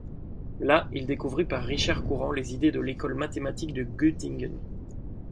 Là, il découvrit par Richard Courant les idées de l'École mathématique de Göttingen.